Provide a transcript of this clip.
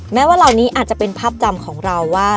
ว่าเหล่านี้อาจจะเป็นภาพจำของเราว่า